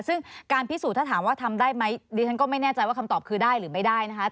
ซึ่งการพิสูจน์ถ้าถามว่าทำได้ไหมดิฉันก็ไม่แน่ใจว่าคำตอบคือได้หรือไม่ได้นะคะ